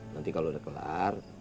nanti kalau udah kelar